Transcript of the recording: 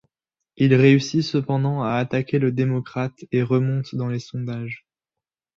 Il réussit cependant à attaquer le démocrate et remonte dans les sondages.